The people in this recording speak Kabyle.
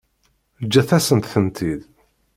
Ǧǧet-asent-tent-id.